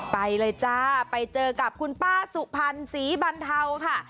ไปเลยจ้าไปเจอกับคุณป้าสุพรรณศรีบรรเทาค่ะ